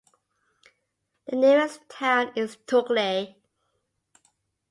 The nearest town is Toukley.